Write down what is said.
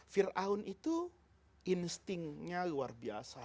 fir'aun itu instingnya luar biasa